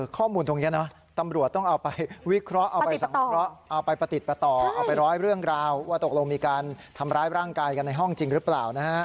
ข้อมูลตรงนี้นะตำรวจต้องเอาไปวิเคราะห์เอาไปสังเคราะห์เอาไปประติดประต่อเอาไปร้อยเรื่องราวว่าตกลงมีการทำร้ายร่างกายกันในห้องจริงหรือเปล่านะฮะ